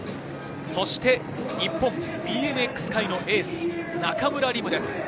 そして日本ＢＭＸ界のエース、中村輪夢です。